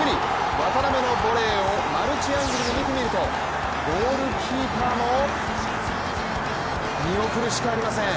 渡邊のボレーをマルチアングルで見てみるとゴールキーパーも見送るしかありません。